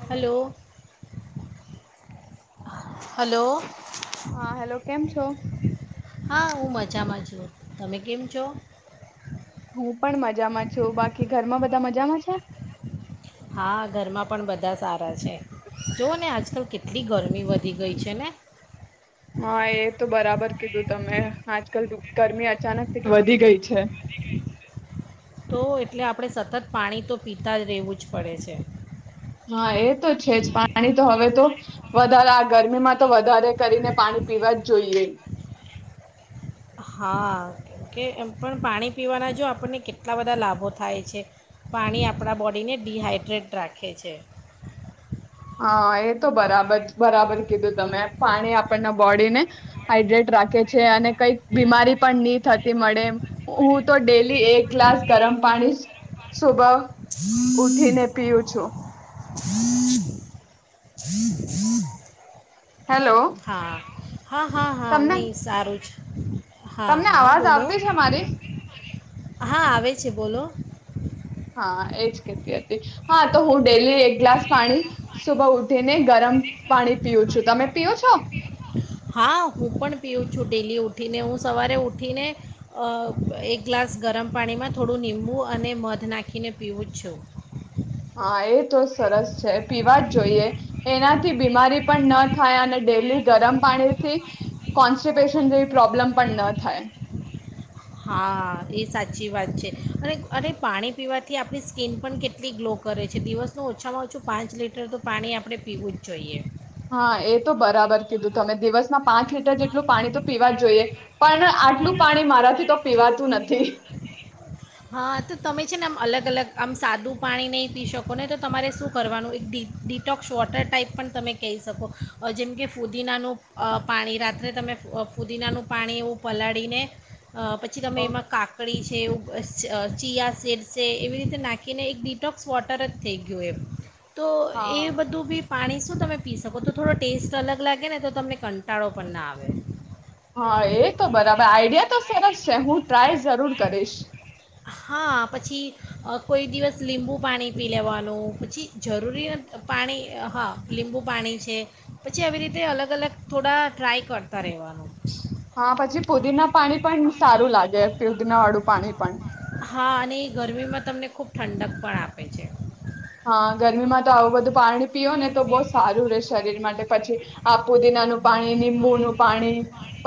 Hello hello. [inaudible] Hello હા hello કેમ છો? હા હું મજામાં છયો તમે કેમ છો? હમ. પણ મજામાં છો બાકી ઘરમાં બ ત મજામાં છે. હા ઘરમાં પણ બધા સારા છે જોઓને આજકાલ કેટલી ગરમી વધી ગઈ છે ને હા એ તો બરાબર કીધું તમે આજકાલ ગરમી અચાનકથી વધી ગઈ છે. તો એટલે આપણે સતત પાણી તો પીતા જ રહેવું જ પડે છે. હા એ તો છે જ પાણી તો હવે તો વધારે આ ગરમીમાં તો વધારે કરીને પાણી પીવા જ જોઈએ હા કે એમ પણ પાણી પીવાના જો આપણને કેટલા બધા લાભો થાય છે પાણી આપણા બોડીને ડડીહાઈડ્રેટ રાખે છે. હા એ તો બરાબર બરાબર કીધું તમે પાણી આપણના બોડીને હાઈડ્રેટ રાખે છે અને કંઈક બીમારી પણ નહી થતી મળે એમ હું તો ડેલી એક ગ્લાસ ગરમ પાણી સુબભ ઉઠીને પીવું છું. હેલો હા. હા હા હા તમને નહીં સારું જ હા તમને હા અવાજ બોલો આવતી છે મારી હા આવે છે બોલો હા એજ કતી હતી હા તો હું ડેલી એક ગ્લાસ પાણી સુભા ઉઠીને ગરમ પાણી પીવું છું તમે પીઓ છો હા હું પણ પીવું છું ડેલી ઉઠીને હું સવારે ઉઠીને એક ગ્લાસ ગરમ પાણીમાં થોડું નિબુ અને મધ નાખીને પીવું જ છું હા એ તો સરસ છે પીવા જ જોઈએ એનાથી બીમારી પણ ન થાય અને ડેલી ગરમ પાણીથી કોન્સ્ટિપેશન જેવી પ્રોબ્લેમ પણ ન થાય હા એ સાચી વાત છે અને અનેરે પાણી પીવાથી આપણી સ્કીિન પણ કેટલી ગ્લો કરે છે દિવસનું ઓછામાં ઓછું પાંચ લીટર તો પાણી આપણે પીવું જ જોઈએ હા એ તો બરાબર કીધું તમે દિવસમાં પાંચ લીટર જેટલું પાણી તો પીવા જ જોઈએ પણ આટલું પાણી મારાથી તો પીવાતું નથી હા તો તમે છે ને આમ અલગ-અલગ આમ સાદું પાણી નહીં પી શકો ને તો તમારે શું કરવાનું એક ડિટોક્સ વોટર ટાઈપ પણ તમે કહી શકો જેમ કે ફુદીનાનું પાણી રાત્રે તમે ફુદીનાનું પાણી એવું પલાળીને અ પછી તમે એમાં કાકડી એવું. ચીયા સીડસ એવી રીતે નાખીને એક ડિટોક્સ વોટર જ થઈ ગયું એમ. તો હા એ બધું બી પાણી શું તમે પી શકો તો થોડો ટેસ્ટ અલગ લાગે ને તો તમને કંટાળો પણ ના આવે. હા એ તો બરાબર આઈડિયા તો સરસ છે હું ટ્રાય જરૂર કરીશ. હા પછી કોઈ દિવસ લીંબુ પાણી પી લેવાનું પછી જરૂરી પાણી હા લીંબુ પાણી છે પછી આવી રીતે અલગ અલગ થોડા ટ્રાય કરતાં રહેવાનું. હા પછી ફૂદીના પાણી પણ સારું લાગે. ધી ના વાળું પાણી-પાણી હા અને એ ગરમીમાં તમને ખૂબ ઠંડક પણ આપે છે. હા ગરમીમાં તો આવું બધું પાણી પીઓ ને તો બહું સારું રે શરીર માટે પછી આ ફૂદીના નું પાણી નિબુનું પાણી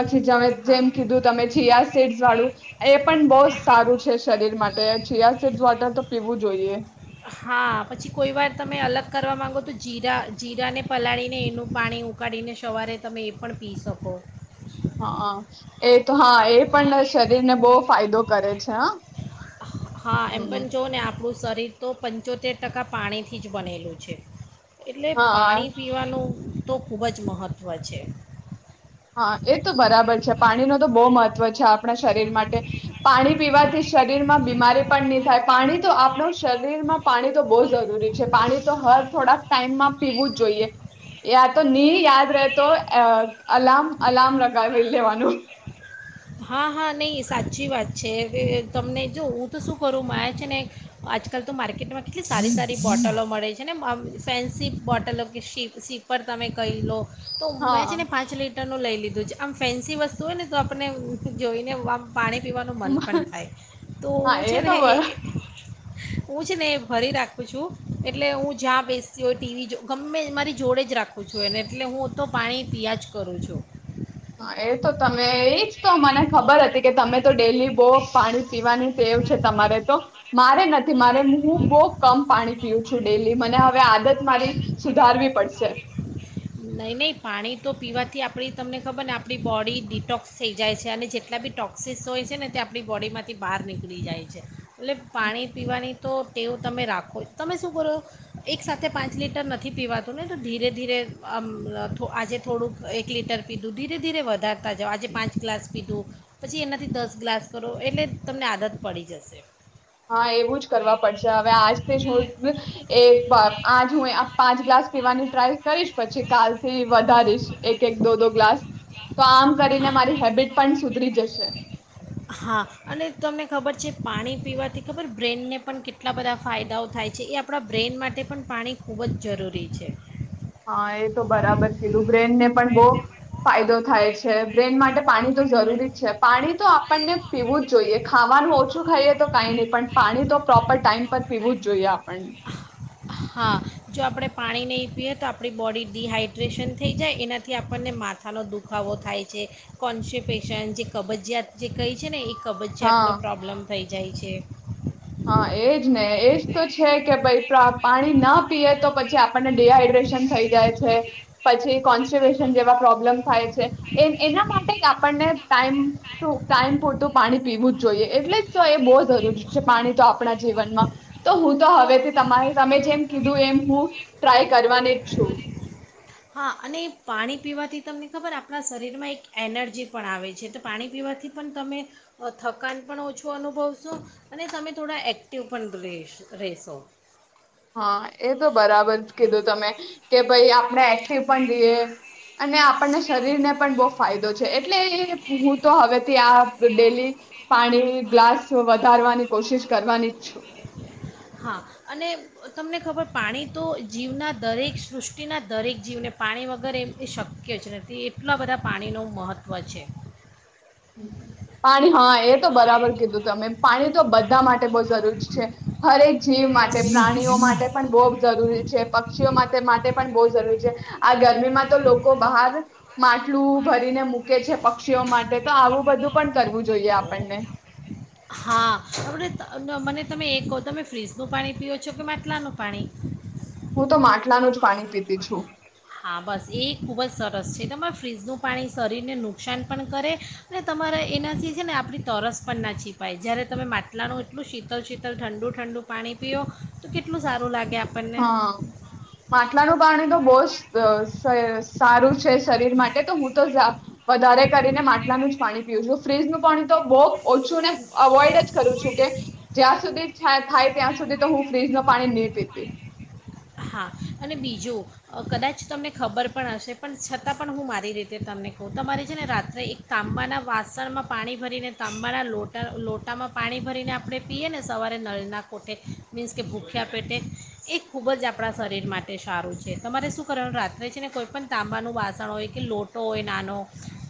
પછી જમે હા જેમ કીધું તમે ચીયા સીડસ તો પછી એ પણ બહુ સારું છે. શરીર માટે છિયા સીટ વોટર તો પીવું જોઈએ. હા પછી કોઈ વાર તમે અલગ કરવા માગો તો જીરા જીરાને પલાળીને એનું પાણી ઉકાળીને સવારે તમે એ પણ પી શકો. હા એ તો હા એ પણ શરીર ને બહુ ફાયદો કરે છે હો. હા એમ પણ જો ને આપડું શરીર તો પંચોતેર ટકા પાણીથી જ બનેલું છે. એટલે હા પાણી પીવાનું તો ખૂબ જ મહત્ત્વ છે. હા એ તો બરાબર છે પાણી ન તો બહુ મહત્વ છે આપણા શરીર માટે પાણી પીવાથી શરીરમાં બીમારી પણ નહી થાય પાણી તો આપણું શરીરમાં પાણી તો બહુ જરૂરી છે. પાણી તો હર થોડાક ટાઈમમાં પીવું જ જોઈએ એ તો નહી યાદ રહેતો અ અલાર્મ અલાર્મ લગાઈ લેવાનું હા હા નહીં સાચી વાત છે તમને જો હું તો શું કરું મા આવે છે ને આજકાલ તો માર્કેટમાં કેટલી સારી સારી બોટલો મળે છે ને ફેન્સી બોટલો કે સી સીપર તમે કહી લો તો હા મેં છે ને પાંચ લીટરનું લઈ લીધું. આમ ફેન્સી વસ્તુ હોય ને તો આપણે જોઈને વા પાણી પીવાનું મન પણ થાય તો હા હું એ છે તો ને બર હું છે ને એ ભરી રાખું છું, એટલે હું જ્યાં બેસતી હોય ટીવી જો ગમે મારી જોડે જ રાખું છું, એને એટલે હું તો પાણી પિયાં જ કરું છું. હા એ તો તમે એ જ તો મને ખબર હતી કે તમે તો ડેલી બો પાણી પીવાની તેવું છે તમારે તો મારે ન થી મારે હું બહુ કમ પાણી પીઉ છું ડેલી મને આપ હવે આદત મારી સુધારવી પડશે. નહીં નહીં પાણી તો પીવાથી આપણી તમને ખબર ને આપણી બોડી ડિટોક્સ થઈ જાય છે અને જેટલા બી ટોક્સિસ હોય છે ને તે આપણી બોડીમાંથી બહાર નીકળી જાય છે. એટલે પાણી પીવાની તો તેવું તમે રાખો તમે શું કરો એક સાથે પાંચ લીટર નથી પીવાતું ને તો ધીરે ધીરે મ આજે થોડુંક એક લીટર પીધું ધીરે ધીરે વધારતા જાઓ, આજે પાંચ ગ્લાસ પીધું પછી એનાથી દસ ગ્લાસ કરો એટલે તમને આદત પડી જશે. હા એવું જ કરવા પડશે હવે આજથી હું એ આજ હું પાંચ ગ્લાસ પીવાની ટ્રાય કરીશ. પછી કાલથી વધારીશ એક એક દો દો ગ્લાસ તો આમ કરીને મારી હેબિટ પણ સુધરી જશ [unintelligible] હા અને તમને ખબર છે પાણી પીવાથી ખબર બ્રેનને પણ કેટલા બધા ફાયદાઓ થાય છે, એ આપણા બ્રેન માટે પણ પાણી ખૂબ જ જરૂરી છે. હા એ તો બરાબર કીધું બ્રેનને પણ બહુ ફાયદો થાય બ્રેન માટે પાણી તો જરૂરી જ છે પાણી તો આપણને પીવું જ જોઈએ, ખાવાનું ઓછું ખાઈએ તો કઈ નહી પણ પાણી તો પ્રોપર ટાઈમ પર પીવું જ જોઈએ આપણને. હા જો આપણે પાણી નહીં પીએ તો આપણી બોડી ડીહાઈડ્રેશન થઈ જાય એનાથી આપણને માથાનો દુખાવો થાય છે કોન્સેપેશન જે કબજીયાત જે કઈ છે ને એ હા કબજિયાતનો પ્રોબ્લેમ થઈ જાય છે. હા એજ ને એજ તો છે કે ભઈ પ્રા પાણી ના પીએ તો પછી આપણને ડીહાઈડ્રેશન થઈ જાય છે, પછી કોન્સ્બેશન જેવા પ્રોબ્લેમ થાય છે, એના માટે જ આપણને ટાઈમ ટુ ટાઈમ પૂરતું પાણી પીવું જ જોઈએ એટલે જ તો એ બહુ જરૂરી પાણી તો આપણા જીવનમાં તો હું તો હવેથી તમારે તમે જેમ કીધું એમ હું ટ્રાય કરવાની [unintelligible] હા અને પાણી પીવાથી તમને ખબર આપણાં શરીરમાં એક એનર્જી પણ આવે છે તો પાણી પીવાથી પણ તમે થકાન પણ ઓછું અનુભવશો અને તમે થોડા એક્ટિવ પણ રેહ રેહશો. હા એ તો બરાબર જ કીધું તમે કે ભાઈ આપણે પણ રેઅ અને આપણને શરીર ને પણ બ ફાયદો છે એટલે હું તો હવેથી આ ડેલી પાણી ગ્લાસ વધારવાની કોશિશ કરવાની જ છું. હા અને તમને ખબર પાણી તો જીવના દરેક સૃષ્ટિના દરેક જીવને પાણી વગર એમથી શક્ય જ નથી એટલા બધા પાણીનું મહત્ત્વ છે. [inaudible] પાણી હા એ તો બરાબર કીધું તમે પાણી તો બધા માટે બહુ જરૂરી છે હરેક જીવ માટે પ્રાણીઓ માટે પણ બવ જરૂરી છે. પક્ષીઓ માટે માટે પણ મૂકે છે પક્ષીઓ માટે. આવું વધુ પણ કરવું જોઈએ આપણને. હા આપણે ત- મને તમે એ કહો તમે ફ્રીજનું પાણી પીઓ છો કે માટલાનું પાણી? હું તો માટલાનું જ પાણી પીતી છું. હા બસ એ ખૂબ જ સરસ છે તમારે ફ્રીજનું પાણી શરીરને નુકસાન પણ કરે, અને તમારા એનાથી છે ને આપણી તરસ પણ ના છીપાય જ્યારે તમે માટલાનું એટલું શીતલ શીતલ ઠંડુ ઠંડુ પાણી પીઓ, તો કેટલું સારું લાગે આપ હા. માટલાનું કારણી તો બહુ સારું છે શરીર માટે તો હું તો જા વધારે કરીને માટલાનું જ પાણી પીવ છું ફ્રીજનું પાણી તો બહુ ઓછું ને અવોઈડ જ કરું છું કે, જ્યાં સુધી થાય ત્યાં સુધી તો હું ફ્રીજ ન પાણી નહીં પીતી. હા, અને બીજું કદાચ તમને ખબર પણ હશે. પણ છતાં પણ હું મારી રીતે તમને કહું તમારી છે ને રાત્રે એક તાંબાના વાસણમાં પાણી ભરીને તાંબાના લોટા લોટામાં પાણી ભરીને આપણે પીએ ને સવારે નળના કોઠે, મીન્સ કે ભૂખ્યા પેટે, એ ખૂબ જ આપણે આપણા શરીર માટે સારું છે તમારે શું કરવાનું રાત્રે છે ને કોઈ પણણ તાંબાનું વાસણ હોય કે લોટો હોય નાનો.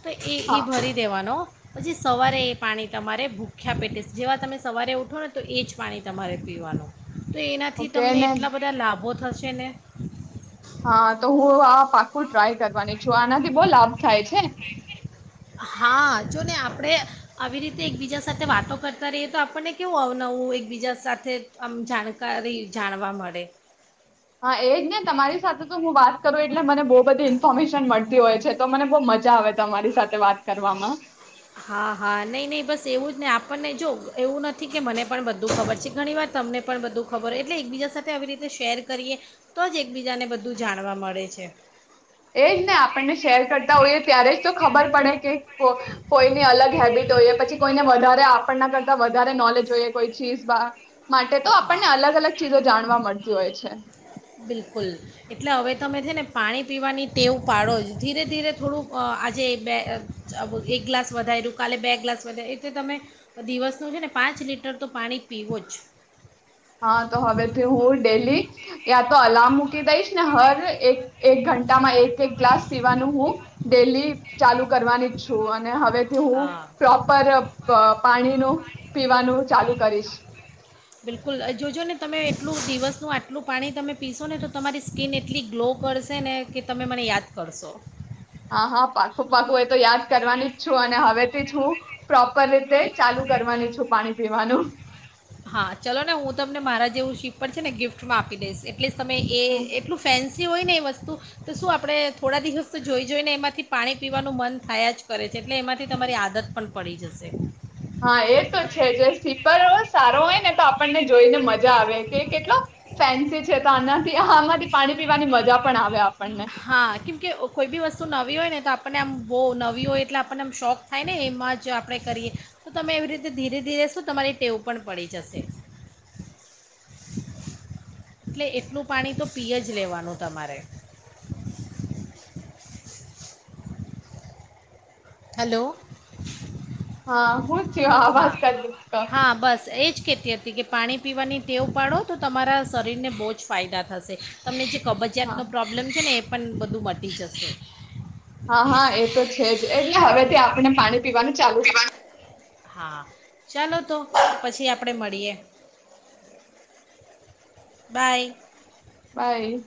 તો એ એ હા ભરી દેવાનો. પછી સવારે એ પાણી તમારે ભૂખ્યા પેટે જેવા તમે સવારે ઉઠો ને તો એ જ પાણી તમારે પીવાનું. તો એનાથી ઓકે તમને ને એટલા બધા લાભો છેને હા તો હું આ પાકું ટ્રાય કરવાની છું આનાથી લાભ થાય છે હા જોને આપ આપણે આવી રીતે એકબીજા સાથે વાતો કરતા રહીએ તો આપણને કેવું અવનવું એકબીજા સાથે આમ જાણકારી જાણવા મળે હા એ જ. તમારી સાથે તો હું બાર કરૂ એટલે મને બ બધી ઇન્ફોર્મેશન મળતી હોય છે તો મને બહુ મજા આવે તમારી સાથે વાત કરવામાં હા હા નહીં નહીં બસ એવું જ નહીં આપણને જો એવું નથી કે મને પણ બધું ખબર છે, ઘણીવાર તમને પણ બધું ખબર હો એટલે એકબીજા સાથે આવી રીતે શેર કરીએ તો જ એકબીજાને બધું જાણવા મળે છે. એજ ને આપણને શેર કરતા હોઈએ ત્યારે જ તો ખબર પડે કે કોઈ ની અલગ હેબિટ હોઈએ પછી કોઈને વધારે આપણના કરતા વધારે નોલેજ હોઈએ કોઈ ચીઝ માટે તો હા આપણને અલગ અલગ ચીજો જાણવા મળશે. જોય છે. બિલકુલ એટલે હવે તમે છે ને પાણી પીવાની ટેવ પાડો જ. ધીરે ધીરે થોડું આજે બે એક ગ્લાસ વધાર્યું કાલે બે ગ્લાસ વધાર એટલે તમે દિવસનું છે ને પાંચ લીટર તો પાણી પીવો જ. હા તો હવેથી હું ડેલી યા તો અલામ મૂકી દઈશને હર એક એક ઘંટામાં એક એક ગ્લાસ પીવાનું હું ડેલી ચાલુ કરવાની જ છું અન ન હવેથી હું હા પ્રોપર પાણી ન પીવાનું ચાલુ કરીશ બિલકુલ જોજો ને તમે એટલું દિવસનું આટલું પાણી તમે પીશો ને તો તમારી સ્કીિન એટલી ગ્લો કરશે ને કે તમે મને યાદ કરશો. હા હા પાકું પાકું એ તો યાદ કરવાની જ છું અને હવેથી જ હું પ્રોપર રીતે ચાલુ કરવાની છું પાણી પીવાનું. હા ચાલો ને હું તમને મારા જેવું સીપ પર છે ને ગિફ્ટમાં આપી દઈશ. એટલે તમે હમ એટલું ફેન્સી હોય ને એ વસ્ તુ તો શું આપણે થોડા દિવસ તો જોઈ જોઈને એમાંથી પાણી પીવાનું મન થયા જ કરે છે એટલે એમાંથી તમારી આદત પણ પડી જશે. હા એ તો છે જે સ્વીપર હો સારો હોય ને તો આપણને જોઈને મજા આવે કે કેટલો ફેન્સી છે તો આનાથી આમાંથી પાણી પીવાની મજા પણ આવે. આપણને હા કેમ કે કોઈ બી વસ્તુ નવી હોય ને તો આપણને આમ બહુ નવી હોય એટલે આપણને આમ શોખ થાય ને એમાં જ આપણે કરીએ. તો તમે એવી રીતે ધીરે ધીરે શું તમારી ટેવું પણ પડી જશે. એટલે એટલું પાણી તો પીય જ લેવાનું તમારે. હાલો. હા હું આવાજ કર દુ કા. કેતી હતી કે પાણી પીવાની ટેવ ઉપાડો તો તમારા શરીરને બહુ જ ફાયદા થશે. તમને જે કબજિયાત હા નો પ્રોબ્લેમ છે ને પણ બધું મટી જશે. હા હા એ તો છે જ. એટલે હવે તે આપણે પાણી પીવાનું ચાલુ હા ચાલો તો પછી આપણેે મળીએ. બાય. બાય